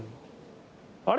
あれ？